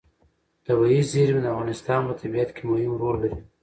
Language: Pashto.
طبیعي زیرمې د افغانستان په طبیعت کې مهم رول لري.